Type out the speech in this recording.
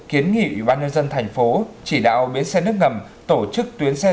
kiến nghị ủy ban nhân dân thành phố chỉ đạo biến xe nước ngầm tổ chức tuyến xe